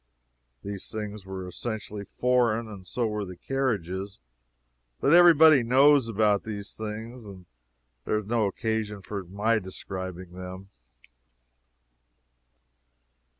These things were essentially foreign, and so were the carriages but every body knows about these things, and there is no occasion for my describing them.